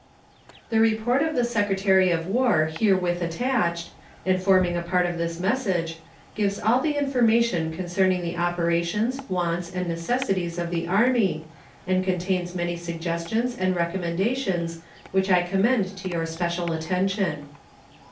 The report of the Secretary of War herewith attached, and forming a part of this message, gives all the information concerning the operations, wants, and necessities of the Army, and contains many suggestions and recommendations which I commend to your special attention.